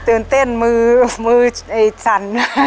ตื่นเต้นมือไอ้ชัน